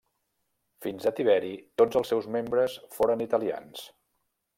Fins a Tiberi tots els seus membres foren italians.